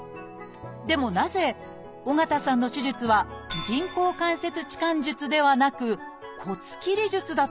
でもなぜ緒方さんの手術は人工関節置換術ではなく骨切り術だったの？